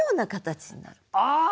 ああ！